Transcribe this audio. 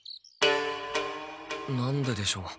何ででしょう？